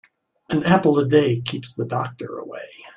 An apple a day keeps the doctor away.